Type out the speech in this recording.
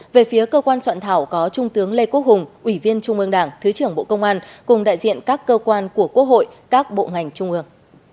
về phía cơ quan soạn thảo có trung tướng lê quốc hùng ủy viên trung ương đảng thứ trưởng bộ công an cùng đại diện các cơ quan của quốc hội các bộ ngành trung ương